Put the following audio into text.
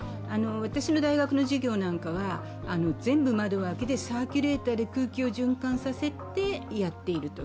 私の大学の授業なんかは全部窓を開けてサーキュレーターで空気を循環させてやっていると。